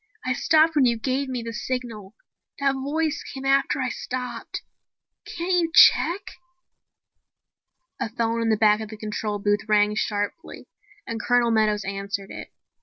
"I stopped when you gave me the signal. That voice came after I stopped. Can't you check ?" A phone in the back of the control booth rang sharply and Colonel Meadows answered it.